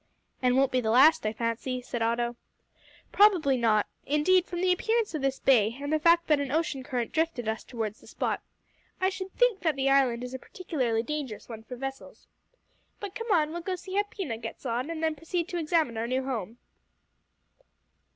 "And won't be the last, I fancy," said Otto. "Probably not. Indeed, from the appearance of this bay, and the fact that an ocean current drifted us towards the spot, I should think that the island is a particularly dangerous one for vessels. But come, we'll go see how Pina gets on, and then proceed to examine our new home."